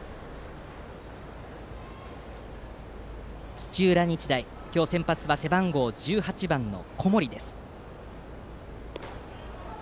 土浦日大、今日の先発は背番号１８番の小森です。